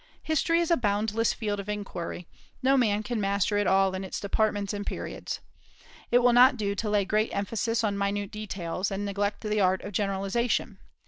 History is a boundless field of inquiry; no man can master it in all its departments and periods. It will not do to lay great emphasis on minute details, and neglect the art of generalization.